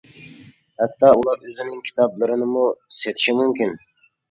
ھەتتا ئۇلار ئۆزىنىڭ كىتابلىرىنىمۇ سېتىشى مۇمكىن.